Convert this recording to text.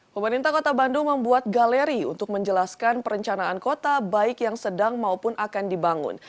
pemerintah kota bandung membuat galeri untuk menjelaskan perencanaan kota baik yang sedang maupun akan dibangun